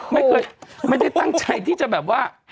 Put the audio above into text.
ไม่เคยไม่ได้ตั้งใจที่จะแบบว่า